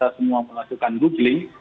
semua melakukan googling